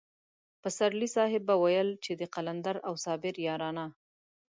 پسرلی صاحب به ويل چې د قلندر او صابر يارانه.